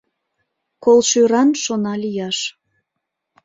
Колшӱран шона лияш.